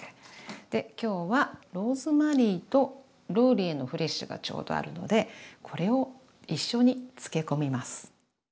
で今日はローズマリーとローリエのフレッシュがちょうどあるのでこれを一緒に漬け込みます。